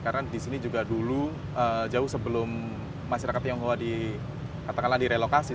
karena di sini juga dulu jauh sebelum masyarakat tionghoa di katakanlah direlokasi